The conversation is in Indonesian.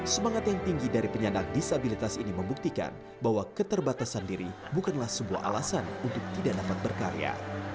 semangat yang tinggi dari penyandang disabilitas ini membuktikan bahwa keterbatasan diri bukanlah sebuah alasan untuk tidak dapat berkarya